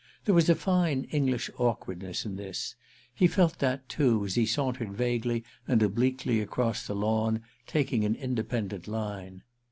There was a fine English awkwardness in this—he felt that too as he sauntered vaguely and obliquely across the lawn, taking an independent line.